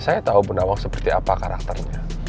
saya tau bu nawang seperti apa karakternya